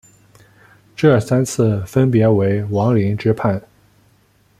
这三次分别为王凌之叛。